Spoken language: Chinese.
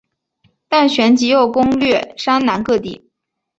但旋即又攻掠山南各地。